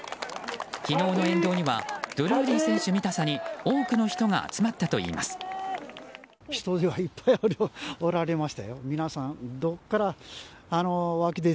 昨日の沿道にはドルーリー選手見たさに多くの人が集まったといいます。